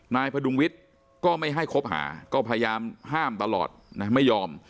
พดุงวิทย์ก็ไม่ให้คบหาก็พยายามห้ามตลอดนะไม่ยอม